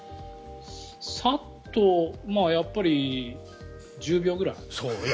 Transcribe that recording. さっとやっぱり１０秒ぐらい？